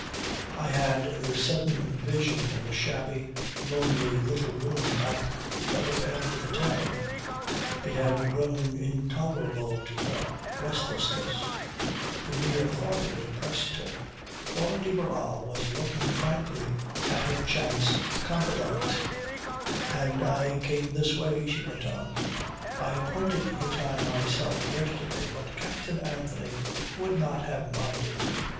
I had the sudden vision of a shabby, lonely little room at the other end of the town. It had grown intolerable to her restlessness. The mere thought of it oppressed her. Flora de Barral was looking frankly at her chance confidant, "And I came this way," she went on. "I appointed the time myself yesterday, but Captain Anthony would not have minded.